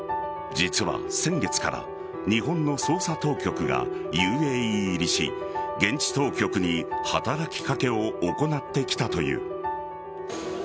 実は先月から日本の捜査当局がＵＡＥ入りし現地当局に働きかけを行ってきたという。